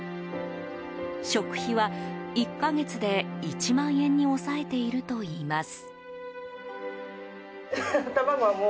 食費は１か月で１万円に抑えているといいます。